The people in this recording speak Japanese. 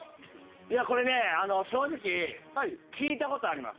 これね正直聞いた事あります。